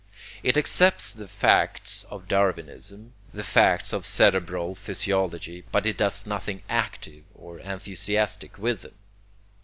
It accepts the facts of darwinism, the facts of cerebral physiology, but it does nothing active or enthusiastic with them.